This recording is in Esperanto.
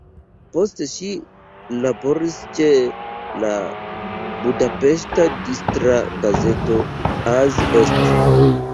Poste ŝi laboris ĉe la budapeŝta distra gazeto "Az Est".